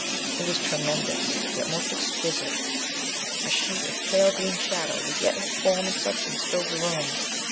It was tremendous, yet most exquisite. A sheet of pale green shadow that yet had form and substance filled the room.